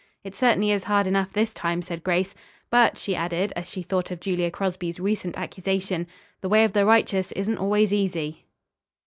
"It certainly is hard enough this time," said Grace. "But," she added, as she thought of Julia Crosby's recent accusation, "the way of the righteous isn't always easy."